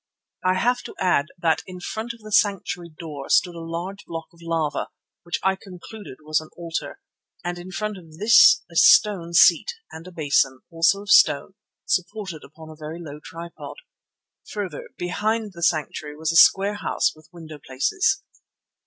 I have to add that in front of the sanctuary door stood a large block of lava, which I concluded was an altar, and in front of this a stone seat and a basin, also of stone, supported upon a very low tripod. Further, behind the sanctuary was a square house with window places.